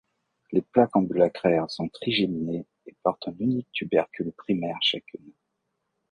Les plaques ambulacraires sont trigéminées et portent un unique tubercule primaire chacune.